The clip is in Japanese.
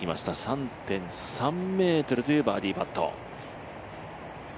３．３ｍというバーディーパット。